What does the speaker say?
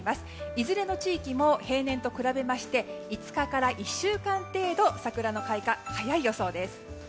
いずれの地域も平年と比べまして５日から１週間程度桜の開花が早い予想です。